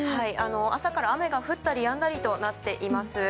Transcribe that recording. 朝から雨が降ったりやんだりとなっています。